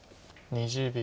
２０秒。